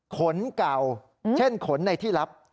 ขนเก่าเช่นขนในที่ลับ